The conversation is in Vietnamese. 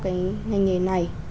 cái ngành nghề này